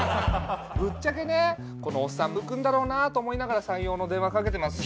ぶっちゃけねこのおっさん浮くんだろうなぁと思いながら採用の電話かけてますし。